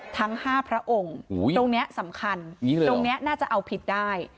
ทั้ง๕พระองค์ตรงนี้สำคัญตรงนี้น่าจะเอาผิดได้